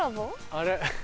あれ？